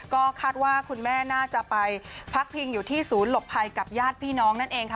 ก็คาดว่าคุณแม่น่าจะไปพักพิงอยู่ที่ศูนย์หลบภัยกับญาติพี่น้องนั่นเองค่ะ